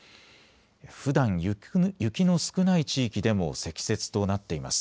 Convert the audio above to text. ふだん雪の少ない地域でも積雪となっています。